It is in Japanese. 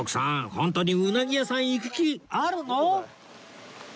ホントにうなぎ屋さん行く気あるの？